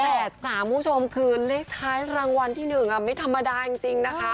คุณผู้ชมคือเลขท้ายรางวัลที่๑ไม่ธรรมดาจริงนะคะ